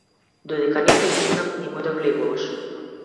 Додека не те викнат немој да влегуваш.